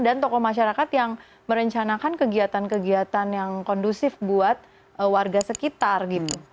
dan tokoh masyarakat yang merencanakan kegiatan kegiatan yang kondusif buat warga sekitar gitu